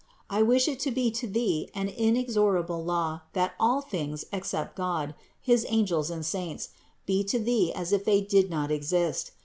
I wish it to be to thee an inexorable law that all things, except God, his angels and saints, be to thee as if they did not exist.